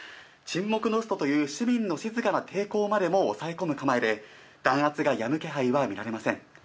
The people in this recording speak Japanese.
沈黙のストという市民の静かな抵抗までも抑え込む構えで、弾圧がやむ気配は見られません。